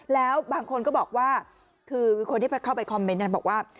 แล้วบางคนก็บอกว่าคือคนที่เข้าไปคอมเมนต์นั้นบอกว่า